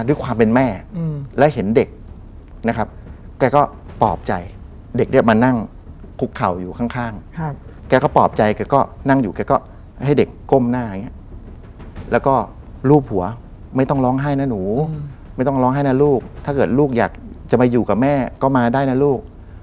ทุกคนก็ยังเจอรูปไฟนั้นอยู่